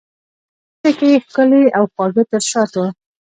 شونډو کې ښکلي او خواږه تر شاتو